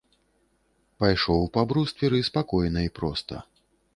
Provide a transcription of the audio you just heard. Пайшоў па брустверы спакойна і проста.